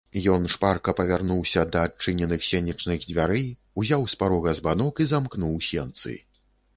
Ён шпарка павярнуўся да адчыненых сенечных дзвярэй, узяў з парога збанок і замкнуў сенцы.